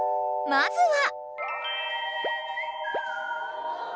［まずは］